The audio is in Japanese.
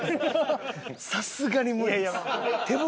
さすがに無理です。